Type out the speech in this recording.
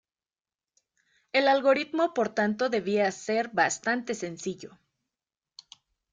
El algoritmo por tanto debía ser bastante sencillo.